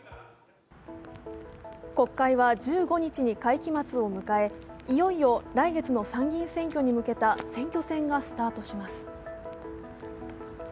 国会は１５日に会期末を迎え、いよいよ来月の参議院選挙に向けた選挙戦がスタートします。